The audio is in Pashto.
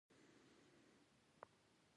د دواړو حالتونو په لیدلو خوشالي کولای شې.